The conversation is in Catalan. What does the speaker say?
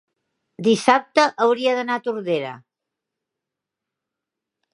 dissabte hauria d'anar a Tordera.